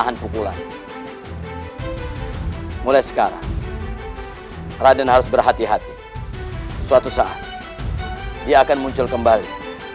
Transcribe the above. tapi untunglah aku jadi tidak perlu pergi jauh jauh ke gunung jermai